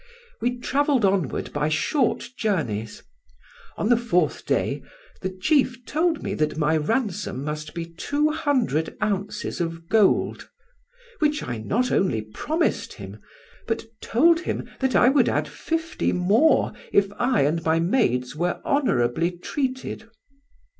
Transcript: We travelled onward by short journeys. On the fourth day the chief told me that my ransom must be two hundred ounces of gold, which I not only promised him, but told him that I would add fifty more if I and my maids were honourably treated.